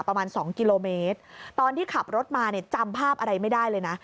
ประมาณสองกิโลเมตรตอนที่ขับรถมาเนี่ยจำภาพอะไรไม่ได้เลยนะ